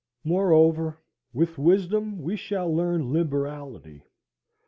Moreover, with wisdom we shall learn liberality.